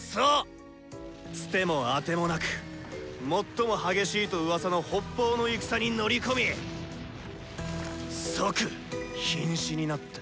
ツテもアテもなく最も激しいとうわさの北方の戦に乗り込み即ひん死になった。